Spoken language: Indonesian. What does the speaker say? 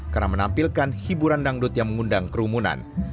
karena menampilkan hiburan dangdut yang mengundang kerumunan